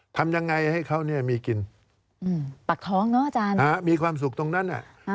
ทำยังไงให้เขาเนี่ยมีกินมีความสุขตรงนั้นน่ะ